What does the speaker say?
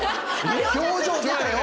表情出たよ！